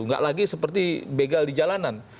nggak lagi seperti begal di jalanan